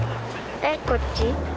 えっこっち。